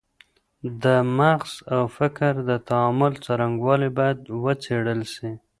د مغز او فکر د تعامل څرنګوالی باید وڅېړل سي.